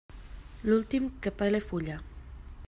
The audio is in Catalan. L'últim, que pele fulla.